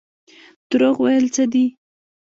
دروغ ویل څه دي؟